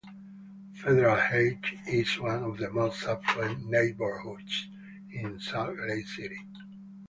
Federal Heights is one of the most affluent neighborhoods in Salt Lake City.